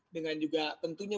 dengan juga tentunya bukan dengan